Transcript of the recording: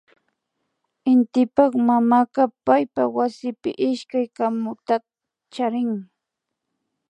Intipak mamaka paypak wasipi ishkay kamukunata charin